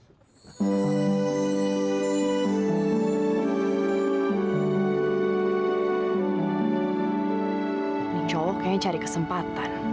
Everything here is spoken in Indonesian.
ini cowok kayaknya cari kesempatan